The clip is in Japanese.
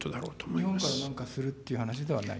日本から何かするという話ではない。